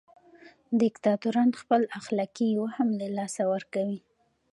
دیکتاتوران خپل اخلاقي وهم له لاسه ورکوي.